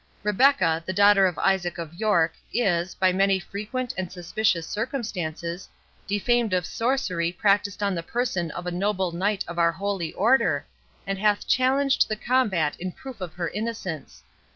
Rebecca, the daughter of Isaac of York, is, by many frequent and suspicious circumstances, defamed of sorcery practised on the person of a noble knight of our holy Order, and hath challenged the combat in proof of her innocence.